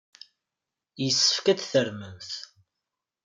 Yessefk ad tarmemt.